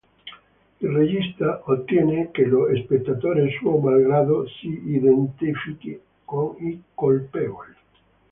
Il regista ottiene che lo spettatore suo malgrado si identifichi con i colpevoli.